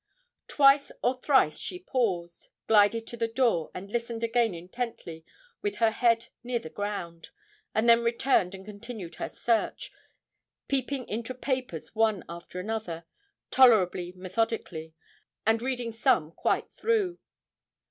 Twice or thrice she paused, glided to the door, and listened again intently with her head near the ground, and then returned and continued her search, peeping into papers one after another, tolerably methodically, and reading some quite through.